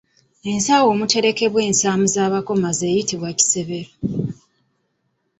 Ensawo omuterekebwa ensaamu z’abakomazi eyitibwa Kisembero.